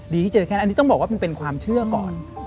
ที่เจอแค่นั้นอันนี้ต้องบอกว่ามันเป็นความเชื่อก่อน